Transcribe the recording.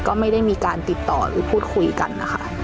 ก็ไม่ได้มีการติดต่อหรือพูดคุยกันนะคะ